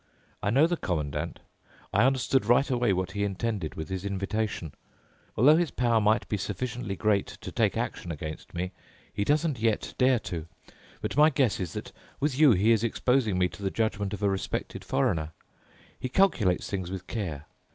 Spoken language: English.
I know the Commandant. I understood right away what he intended with his invitation. Although his power might be sufficiently great to take action against me, he doesn't yet dare to. But my guess is that with you he is exposing me to the judgment of a respected foreigner. He calculates things with care.